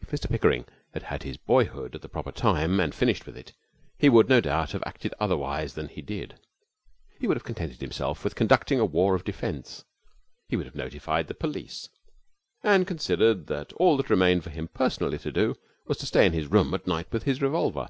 If Mr Pickering had had his boyhood at the proper time and finished with it, he would no doubt have acted otherwise than he did. He would have contented himself with conducting a war of defence. He would have notified the police, and considered that all that remained for him personally to do was to stay in his room at night with his revolver.